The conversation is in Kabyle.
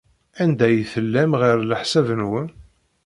Anda ay tellam, ɣef leḥsab-nwen?